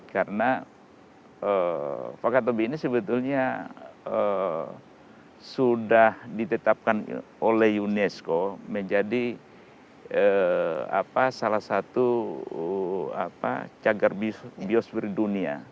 karena wakatobi ini sebetulnya sudah ditetapkan oleh unesco menjadi salah satu cagar bios per dunia